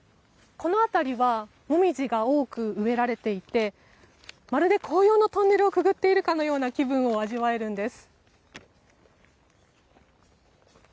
この辺りはモミジが多く植えられていてまるで紅葉のトンネルをくぐっているかのような感覚を味わえるんです。